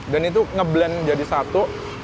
dan itu nge blend jadi satu